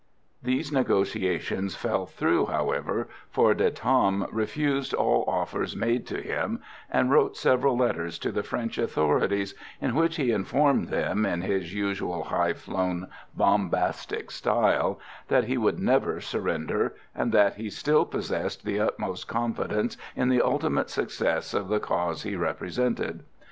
These negotiations fell through, however, for De Tam refused all offers made to him, and wrote several letters to the French authorities in which he informed them, in his usual high flown, bombastic style, that he would never surrender, and that he still possessed the utmost confidence in the ultimate success of the cause he represented.